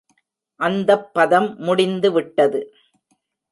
அந்தப் பதம் முடிந்துவிட்டது.